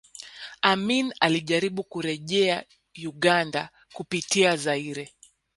Amin alijaribu kurejea Uganda kupitia Zaire